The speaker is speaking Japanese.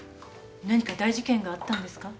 何か大事件があったんですか？